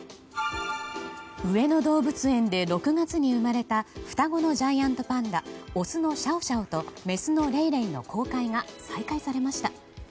上野動物園で６月に生まれた双子のジャイアントパンダオスのシャオシャオとメスのレイレイの公開が再開されました。